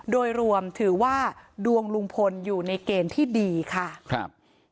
โดยรวมถือว่าดวงลุงพลอยู่ในเกณฑ์ที่ดีค่ะครับ